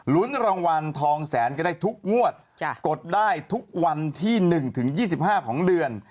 รางวัลทองแสนก็ได้ทุกงวดกดได้ทุกวันที่๑ถึง๒๕ของเดือน